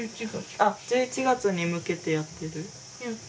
あっ１１月に向けてやってる？